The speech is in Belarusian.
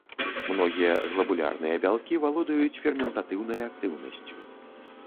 Многія глабулярныя бялкі валодаюць ферментатыўнай актыўнасцю.